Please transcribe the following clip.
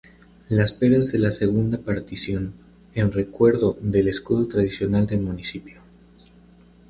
Las peras de las segunda partición, en recuerdo del escudo tradicional del municipio.